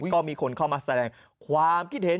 ก็มีคนเข้ามาแสดงความคิดเห็น